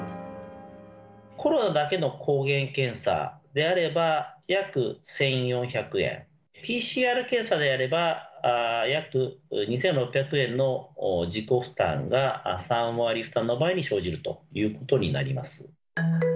コロナだけの抗原検査であれば、約１４００円、ＰＣＲ検査であれば、約２６００円の自己負担が、３割負担の場合に生じるということになります。